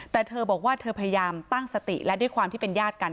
แต่เธอบอกว่าเธอพยายามตั้งสติและด้วยความที่เป็นญาติกัน